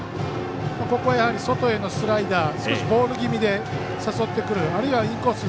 ここは外へのスライダーボール気味で誘ってくるあるいはインコース